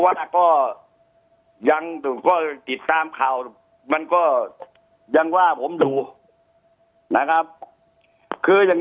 ว่าก็ยังก็ติดตามข่าวมันก็ยังว่าผมอยู่นะครับคืออย่าง